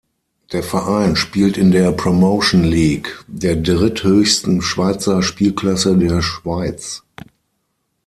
Der Verein spielt in der Promotion League, der dritthöchsten Schweizer Spielklasse der Schweiz.